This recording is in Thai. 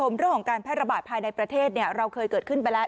เรื่องของการแพร่ระบาดภายในประเทศเราเคยเกิดขึ้นไปแล้ว